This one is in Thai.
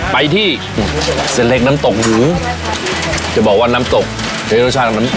ไปที่เสล็กน้ำตกหื้อจะบอกว่าน้ำตกเฮ้รสชาติน้ำ